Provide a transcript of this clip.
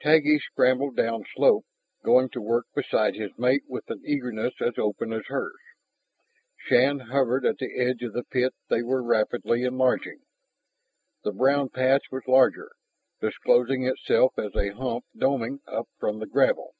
Taggi shambled downslope, going to work beside his mate with an eagerness as open as hers. Shann hovered at the edge of the pit they were rapidly enlarging. The brown patch was larger, disclosing itself as a hump doming up from the gravel.